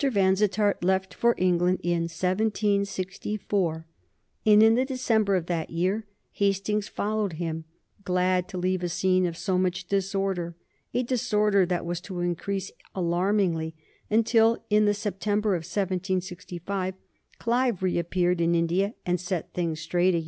Vansittart left for England in 1764, and in the December of that year Hastings followed him, glad to leave a scene of so much disorder, a disorder that was to increase alarmingly, until in the September of 1765 Clive reappeared in India and set things straight again.